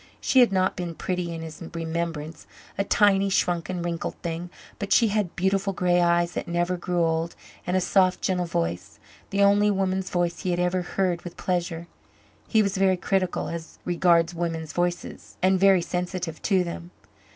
She had not been pretty in his remembrance a tiny, shrunken, wrinkled thing but she had beautiful grey eyes that never grew old and a soft, gentle voice the only woman's voice he had ever heard with pleasure. He was very critical as regards women's voices and very sensitive to them.